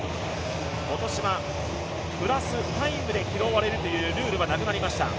今年はプラス、タイムで拾われるというルールはなくなりました。